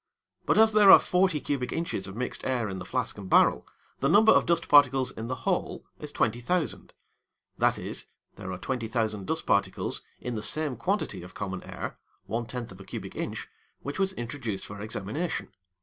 But, as there are 40 cubic inches of mixed air in the flask and barrel, the number of dust particles in the whole is 20,000. That is, there are 20,000 dust particles in the same quantity of common air (one tenth of a cubic inch) which was introduced for examination.